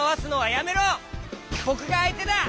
ぼくがあいてだ！